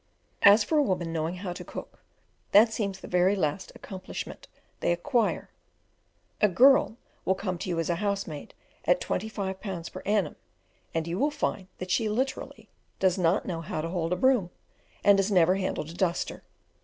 As for a woman knowing how to cook, that seems the very last accomplishment they acquire; a girl will come to you as a housemaid at 25 pounds per annum, and you will find that she literally does not know how to hold her broom, and has never handled a duster.